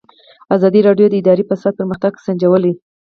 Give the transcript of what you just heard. ازادي راډیو د اداري فساد پرمختګ سنجولی.